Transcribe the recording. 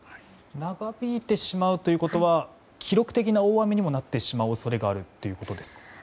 長引いてしまうということは記録的な大雨にもなってしまう恐れがあるということですか。